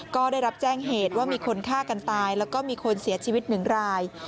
ก็ได้รับแจ้งเหตุว่ามีคนฆ่ากันตายแล้วก็มีคนเสียชีวิตหนึ่งราย